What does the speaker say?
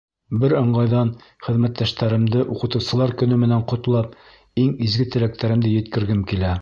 Бер ыңғайҙан хеҙмәттәштәремде Уҡытыусылар көнө менән ҡотлап, иң изге теләктәремде еткергем килә.